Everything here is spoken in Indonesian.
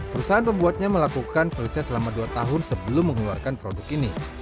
perusahaan pembuatnya melakukan penelitian selama dua tahun sebelum mengeluarkan produk ini